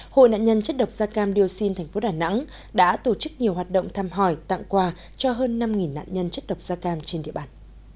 hội nạn nhân chất độc da cam dioxin tp đà nẵng đã tổ chức nhiều hoạt động thăm hỏi tặng quà cho hơn năm nạn nhân chất độc da cam trên địa bàn